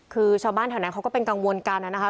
คือชาวบ้านแถวนั้นเขาก็เป็นกังวลกันนะคะ